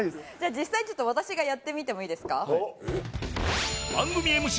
実際ちょっと私がやってみてもいいですか？